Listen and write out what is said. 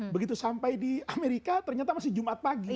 begitu sampai di amerika ternyata masih jumat pagi